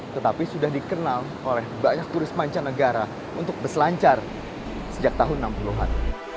tetapi sudah dikenal oleh banyak turis mancanegara untuk berselancar sejak tahun enam puluh an